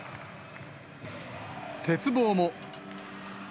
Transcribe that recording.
鉄棒も。